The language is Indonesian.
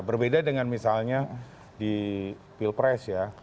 berbeda dengan misalnya di pilpres ya